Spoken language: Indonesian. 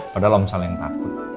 padahal omsal yang takut